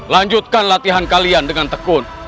lanjutkan latihan kalian dengan tekun